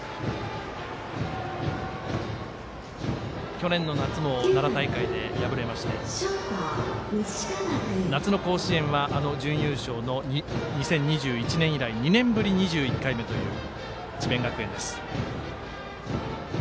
去年の夏も奈良大会で敗れまして夏の甲子園は準優勝の２０２１年以来２年ぶり２１回目という智弁学園です。